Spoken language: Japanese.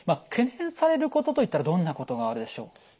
懸念されることといったらどんなことがあるでしょう？